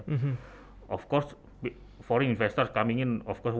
tentu saja investor asing yang datang